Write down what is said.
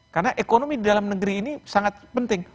karena ekonomi di dalam negeri ini sangat penting